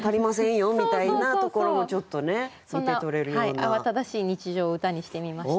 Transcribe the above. そんな慌ただしい日常を歌にしてみました。